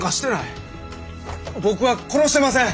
僕は殺してません！